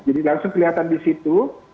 jadi langsung kelihatan di situ